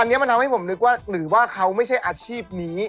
อันนี้มันทำให้ผมนึกว่าหรือว่าเขาไม่ใช่อาชีพนี้